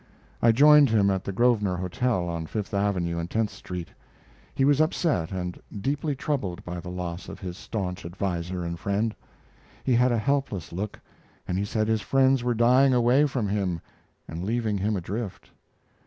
I joined him at the Grosvenor Hotel, on Fifth Avenue and Tenth Street. He was upset and deeply troubled by the loss of his stanch adviser and friend. He had a helpless look, and he said his friends were dying away from him and leaving him adrift.